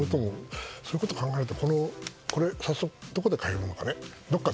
そういうことを考えるとこれ、どこで買えるのかね。